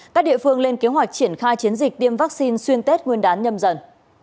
các địa phương lên kế hoạch triển khai chiến dịch tiêm vaccine xuyên tết nguyên đán nhâm dần